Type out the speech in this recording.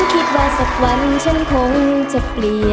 คิดว่าสักวันฉันคงจะเปลี่ยน